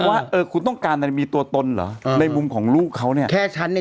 ว่าเออคุณต้องการอะไรมีตัวตนเหรอในมุมของลูกเขาเนี่ยแค่ฉันใน